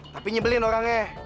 tapi nyebelin orangnya